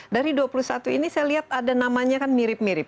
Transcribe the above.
dari dua puluh satu ini saya lihat ada namanya kan mirip mirip